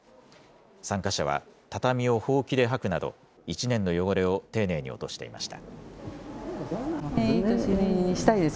参加者は、畳をほうきで掃くなど、１年の汚れを丁寧に落としていました。